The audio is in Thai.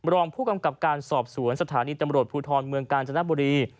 รองผู้กำกับการสอบสวนสถานีตำรวจภูทรเมืองกาญจนบุรี